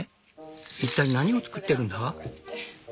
一体何を作ってるんだ？